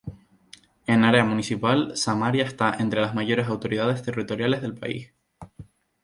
En área municipal, Samaria está entre las mayores autoridades territoriales del país.